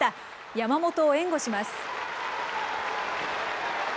山本を援護します。